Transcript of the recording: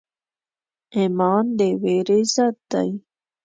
ایمان د ویرې ضد دی.